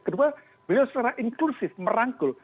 kedua beliau secara inklusif merangkul